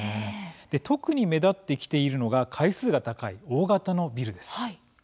特に目立ってきているのが階数が高い大型のビルです。